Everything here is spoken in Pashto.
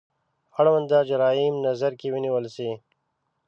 اړونده جرايم نظر کې ونیول شي.